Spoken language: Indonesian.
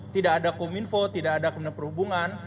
tidak ada kominfo tidak ada kementerian perhubungan